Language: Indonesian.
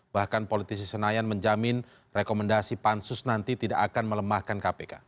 bahkan politisi senayan menjamin rekomendasi pansus nanti tidak akan melemahkan kpk